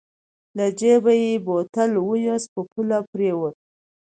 له جېبه يې بوتل واېست په پوله پرېوت.